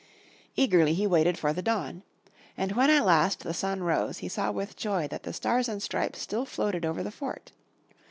Eagerly he waited for the dawn. And when at last the sun rose he saw with joy that the Stars and Stripes still floated over the fort.